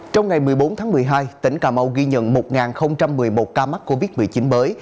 trong ngày một mươi bốn tháng một mươi hai tỉnh cà mau ghi nhận một một mươi một ca mắc covid một mươi chín mới